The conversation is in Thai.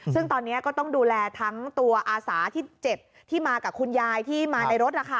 ซึ่งตอนนี้ก็ต้องดูแลทั้งตัวอาสาที่เจ็บที่มากับคุณยายที่มาในรถนะคะ